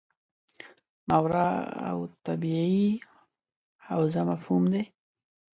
ماورا الطبیعي حوزه مفهوم دی.